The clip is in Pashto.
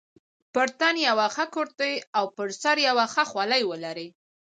پر تن یوه ښه کورتۍ او پر سر یوه ښه خولۍ ولري.